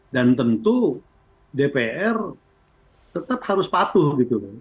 dan tentu dpr tetap harus patuh gitu